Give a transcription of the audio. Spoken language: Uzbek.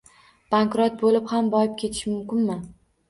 - Bankrot bo'lib ham boyib ketish mumkinmi?